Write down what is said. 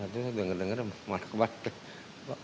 ternyata denger denger malah kembali